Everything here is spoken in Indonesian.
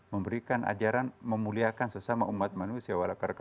memberikan ajaran memuliakan sesama umat manusia